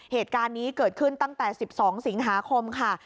เหตุการณ์นี้เกิดขึ้นตั้งแต่๑๒สิงหาคมค่ะ